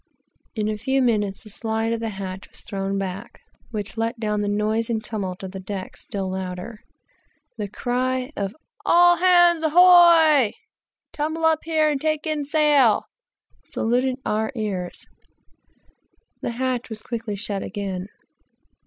In a few minutes the slide of the hatch was thrown back, which let down the noise and tumult of the deck still louder, the loud cry of "All hands, ahoy! tumble up here and take in sail," saluted our ears, and the hatch was quickly shut again.